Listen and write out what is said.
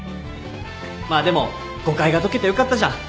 まあでも誤解が解けてよかったじゃん。